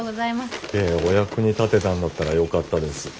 いえお役に立てたんだったらよかったです。